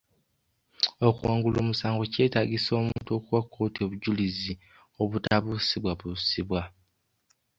Okuwangula omusango kyetaagisa omuntu okuwa kkooti obujjulizi obutabuusibwabuusibwa.